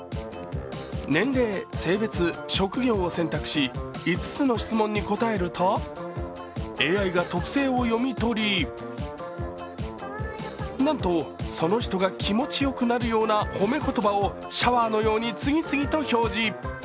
年齢、性別、職業を選択し５つの質問に答えるとＡＩが特性を読み取りなんと、その人が気持ちよくなるような褒め言葉をシャワーのように次々と表示。